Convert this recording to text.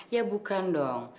ya bukan dong